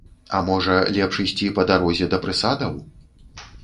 А можа, лепш ісці па дарозе да прысадаў?